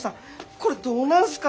これどうなるんすか？